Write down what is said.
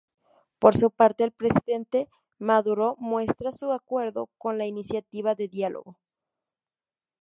Por su parte el Presidente Maduro muestra su acuerdo con la iniciativa de diálogo.